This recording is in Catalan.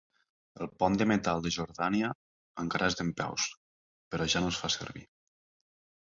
El pont de metal de Jordània encara és dempeus, però ja no es fa servir.